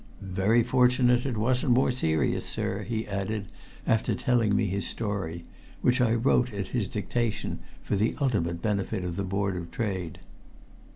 "Very fortunate it wasn't more serious, sir," he added, after telling me his story, which I wrote at his dictation for the ultimate benefit of the Board of Trade.